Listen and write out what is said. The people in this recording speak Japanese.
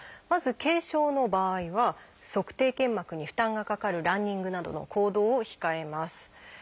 まず軽症の場合は足底腱膜に負担がかかるランニングなどの行動を控えます。